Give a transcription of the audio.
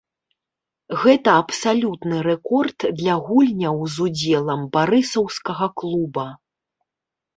Гэта абсалютны рэкорд для гульняў з удзелам барысаўскага клуба.